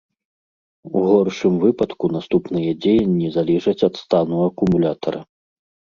У горшым выпадку наступныя дзеянні залежаць ад стану акумулятара.